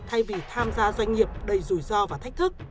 thay vì tham gia doanh nghiệp đầy rủi ro và thách thức